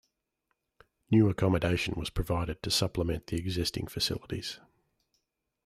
New accommodation was provided to supplement the existing facilities.